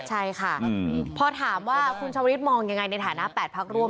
ใช่ค่ะพอถามว่าคุณชาวฤทธิมองยังไงในฐานะ๘พักร่วม